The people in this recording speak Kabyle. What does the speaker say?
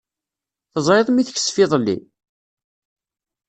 Teẓriḍ mi teksef iḍelli?